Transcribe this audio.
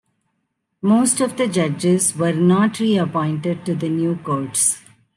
Most of the judges were not reappointed to the new courts.